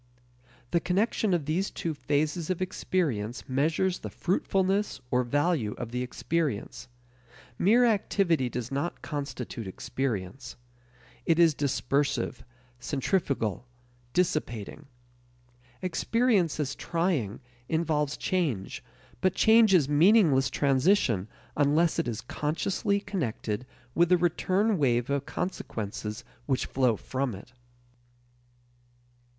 The connection of these two phases of experience measures the fruitfulness or value of the experience. Mere activity does not constitute experience. It is dispersive, centrifugal, dissipating. Experience as trying involves change, but change is meaningless transition unless it is consciously connected with the return wave of consequences which flow from it.